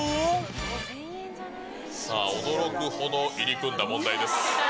さあ、驚くほど入り組んだ問題です。